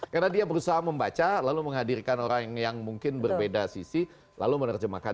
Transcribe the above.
karena dia berusaha membaca lalu menghadirkan orang yang mungkin berbeda sisi lalu menerjemahkan